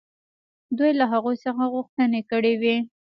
دوی له هغوی څخه غوښتنې کړې وې.